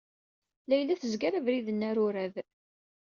Layla tezger abrid-nni arurad.